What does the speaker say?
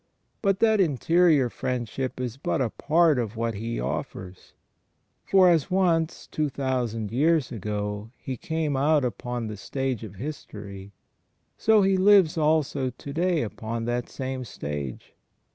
But that interior friendship is but a part of what He offers; for, as once, two thousand years ago, He came out upon the stage of history, so He lives also to day upon that same stage.